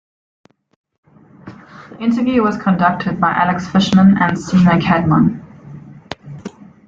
The interview was conducted by Alex Fishman and Sima Kadmon.